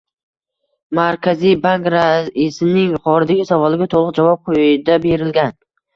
Markaziy bank raisining yuqoridagi savoliga to'liq javob quyida berilgan: